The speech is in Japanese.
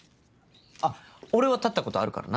あっ俺は立ったことあるからな。